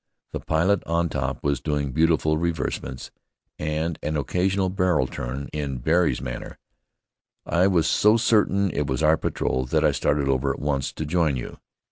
The pilot on top was doing beautiful renversements and an occasional barrel turn, in Barry's manner. I was so certain it was our patrol that I started over at once, to join you.